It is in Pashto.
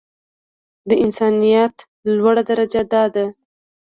د انسانيت لوړه درجه دا ده.